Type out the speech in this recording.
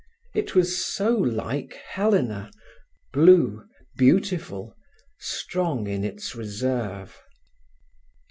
It was so like Helena, blue, beautiful, strong in its reserve.